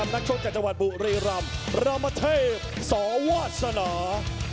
นักชกจากจังหวัดบุรีรำรามเทพสวาสนา